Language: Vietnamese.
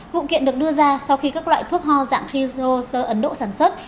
vụ kiện được đưa ra sau khi các loại thuốc ho dạng crisose ấn độ sản xuất